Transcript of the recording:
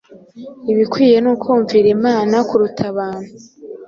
Ibikwiriye ni ukumvira Imana kuruta abantu.”